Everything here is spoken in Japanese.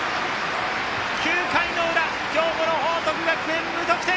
９回の裏兵庫の報徳学園、無得点！